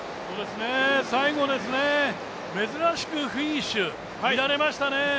最後、珍しくフィニッシュ、乱れましたね。